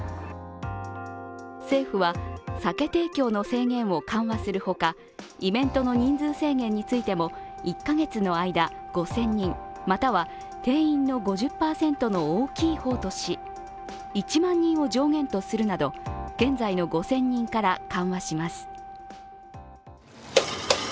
政府は酒提供の制限を緩和するほかイベントの人数制限についても１カ月の間、５０００人または定員の５０％の大きい方とし、１万人を上限とするなど、現在の５０００人から緩和します。